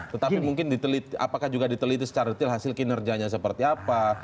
tetapi mungkin apakah juga diteliti secara detail hasil kinerjanya seperti apa